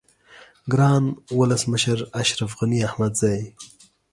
گران ولس مشر اشرف غنی احمدزی